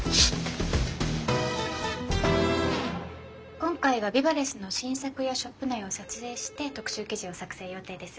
今回はＢＩＢＡＬＥＳＳの新作やショップ内を撮影して特集記事を作成予定です。